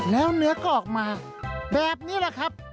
แล้วเนื้อก็ออกมาแบบนี้แหละครับ